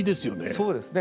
そうですね。